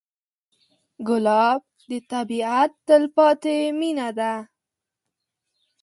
ګلاب د طبیعت تلپاتې مینه ده.